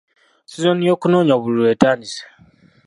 Sizoni y'okunoonya obululu etandise.